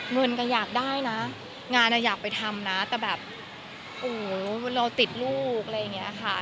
เงินก็อยากได้นะงานอยากไปทำนะแต่แบบโอ้โหเราติดลูกอะไรอย่างนี้ค่ะ